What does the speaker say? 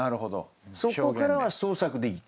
そこからは創作でいいと。